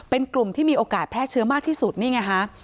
เป็นกลุ่มที่มีโอกาสแพร่เชื้อมากที่สุดนี่ไงฮะ